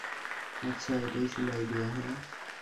আচ্ছা, এটাই ছিল আইডিয়া, হ্যাঁ।